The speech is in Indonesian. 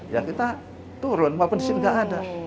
ya kita turun walaupun di sini nggak ada